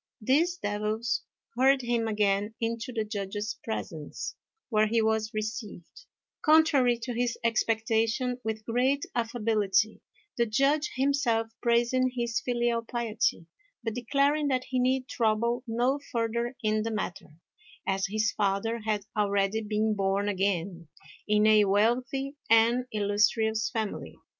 These devils hurried him again into the Judge's presence, where he was received, contrary to his expectation, with great affability; the Judge himself praising his filial piety, but declaring that he need trouble no further in the matter, as his father had already been born again in a wealthy and illustrious family.